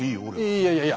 いやいやいやいや！